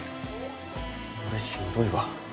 俺しんどいわ